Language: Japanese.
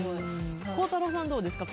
孝太郎さん、どうですか？